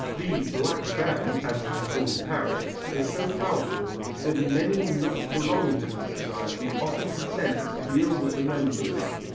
The "black band," as it is called in Paris, is so powerful that many not belonging to the society often consent to deal with the members.